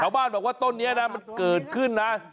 บ้านบอกว่าต้นนี้นะมันเกิดขึ้นนะ